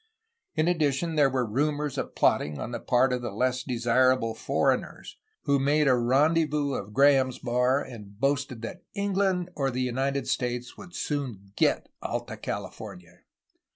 In addition, there were rumors of plotting on the part of the less desirable foreigners, who made a rendezvous of Graham's bar and boasted that England or the United States would soon get Alta California.